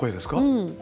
うん。